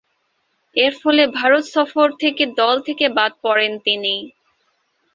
এরফলে ভারত সফর থেকে দল থেকে বাদ পড়েন তিনি।